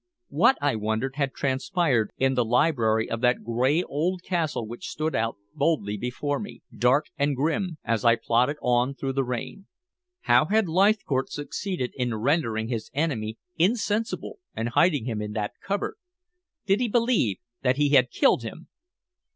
What, I wondered, had transpired in the library of that gray old castle which stood out boldly before me, dark and grim, as I plodded on through the rain? How had Leithcourt succeeded in rendering his enemy insensible and hiding him in that cupboard? Did he believe that he had killed him?